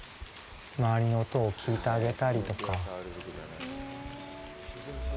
周りの音を聞いてあげたりとか。